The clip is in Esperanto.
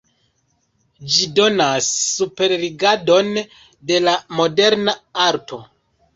Ĝi donas superrigardon de la moderna arto.